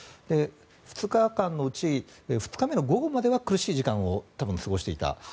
２日間のうち２日目の午後までは苦しい時間を多分、過ごしていた。